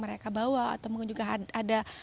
mereka bawa atau mungkin juga ada